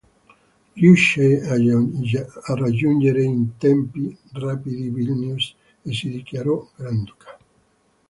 Riuscì a raggiungere in tempi rapidi Vilnius e si dichiarò granduca.